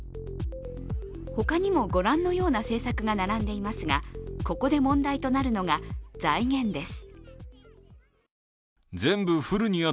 他にも、ご覧のような政策が並んでいますがここで問題となるのが財源です。